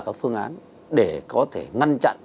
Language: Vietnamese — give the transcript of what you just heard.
các phương án để có thể ngăn chặn